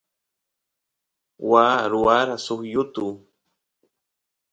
waa ruwara suk yutu